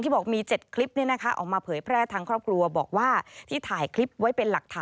ตำรวจบอกคดีอะไร